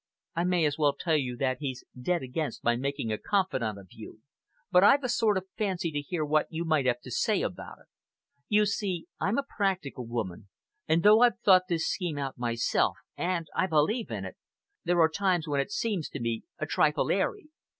I may as well tell you that he's dead against my making a confidant of you; but I've a sort of fancy to hear what you might have to say about it. You see I'm a practical woman, and though I've thought this scheme out myself, and I believe in it, there are times when it seems to me a trifle airy.